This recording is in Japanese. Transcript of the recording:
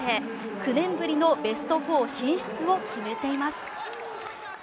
９年ぶりのベスト４進出を決めています。